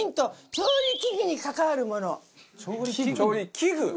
調理器具？